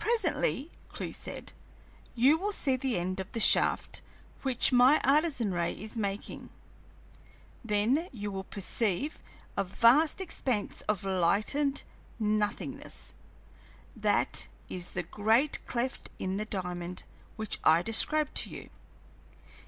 "Presently," Clewe said, "you will see the end of the shaft which my Artesian ray is making; then you will perceive a vast expanse of lighted nothingness; that is the great cleft in the diamond which I described to you.